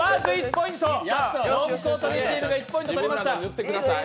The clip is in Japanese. ロングコートダディチームが１ポイント取りました。